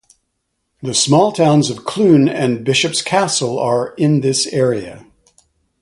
The small towns of Clun and Bishop's Castle are in this area.